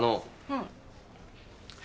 うん。